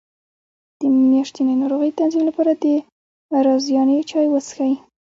د میاشتنۍ ناروغۍ د تنظیم لپاره د رازیانې چای وڅښئ